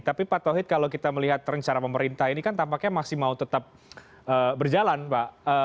tapi pak tauhid kalau kita melihat rencana pemerintah ini kan tampaknya masih mau tetap berjalan pak